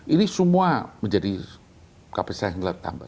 ini semua menjadi kapasitas yang telah ditambah